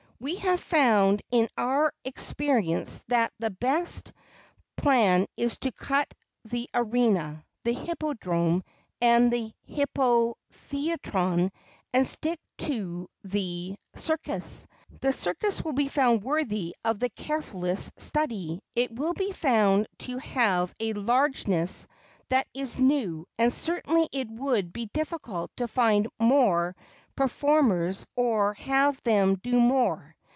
We have found it in our experience that the best plan is to cut the arena, the hippodrome, and the hippotheatron, and stick to the circus. The circus will be found worthy of the carefulest study. It will be found to have a largeness that is new, and certainly it would be difficult to find more performers or have them do more.